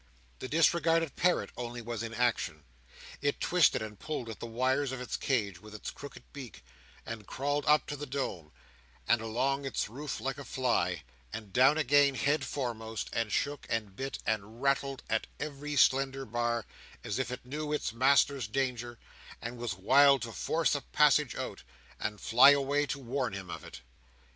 The disregarded parrot only was in action. It twisted and pulled at the wires of its cage, with its crooked beak, and crawled up to the dome, and along its roof like a fly, and down again head foremost, and shook, and bit, and rattled at every slender bar, as if it knew its master's danger, and was wild to force a passage out, and fly away to warn him of it.